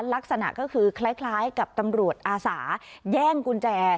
ลักษณะก็คือคล้ายกับตำรวจอาสาแย่งกุญแจ